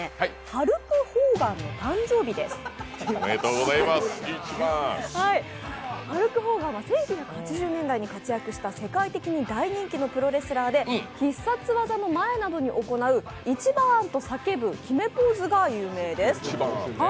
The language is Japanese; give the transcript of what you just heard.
ハルク・ホーガンは１９８０年代に活躍した大人気のプロレスラーで必殺技の前などに行う「イチバーン」と叫ぶ決めポーズが有名です。